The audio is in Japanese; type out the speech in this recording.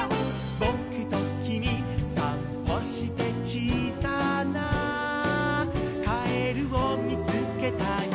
「ぼくときみさんぽして」「ちいさなカエルをみつけたよ」